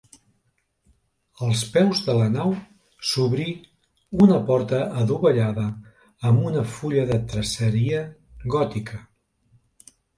Als peus de la nau s'obri una porta adovellada amb una fulla de traceria gòtica.